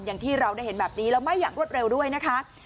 อย่างที่เราได้เห็นแบบนี้แล้วไหม้อย่างรวดเร็วด้วยนะคะ